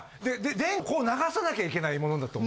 電気をこう流さなきゃいけないものだと。